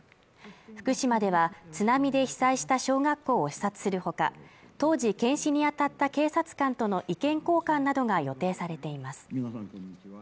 福島では、津波で被災した小学校を視察する他、当時検視に当たった警察官との意見交換などが予定されています